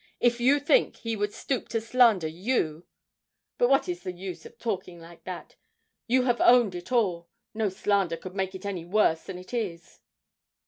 'If you think he would stoop to slander you But what is the use of talking like that? You have owned it all. No slander could make it any worse than it is!'